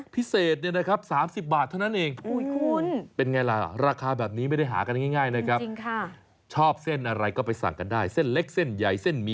พิเศษเนี่ยนะครับ๓๐บาทเท่านั้นเอง